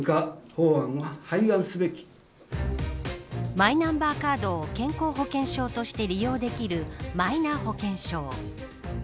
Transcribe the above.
マイナンバーカードを健康保険証として利用できるマイナ保険証。